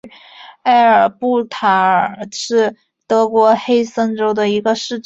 埃尔布塔尔是德国黑森州的一个市镇。